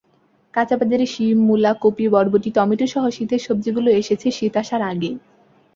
কাঁচাবাজারে শিম, মুলা, কপি, বরবটি, টমেটোসহ শীতের সবজিগুলো এসেছে শীত আসার আগেই।